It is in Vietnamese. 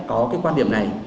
có cái quan điểm này